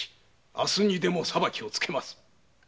明日にでも裁きをつけまする。